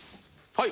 はい。